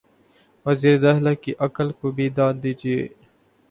وزیر داخلہ کی عقل کو بھی داد دیجئے۔